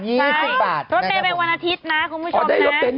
รถเบนท์เป็นวันอาทิตย์นะคุณผู้ชมมา